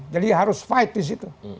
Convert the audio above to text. jadi harus fight di situ